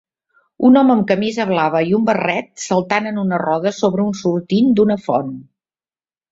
un home amb camisa blava i un barret saltant en una roda sobre un sortint d'una font.